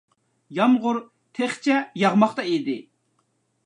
يامغۇر تېخىچە ياغماقتا ئىدى.